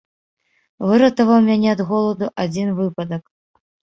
Выратаваў мяне ад голаду адзін выпадак.